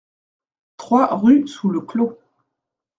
trois rue Sous Le Clos